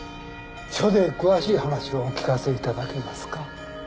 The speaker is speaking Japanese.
署で詳しい話をお聞かせいただけますか。